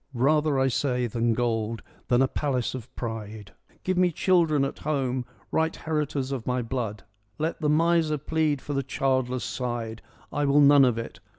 Rather, I say, than gold, than a palace of pride, Give me children at home, right heritors of my blood. Let the miser plead for the childless side : I will none of it.